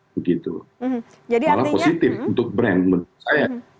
malah positif untuk brand menurut saya